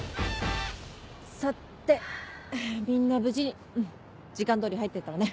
さてみんな無事に時間通り入ってったわね。